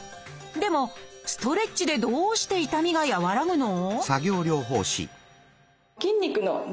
でもストレッチでどうして痛みが和らぐの？